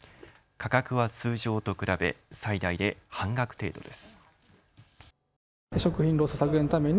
価格は通常と比べて最大で半額程度です。